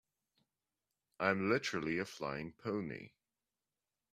I'm literally a flying pony.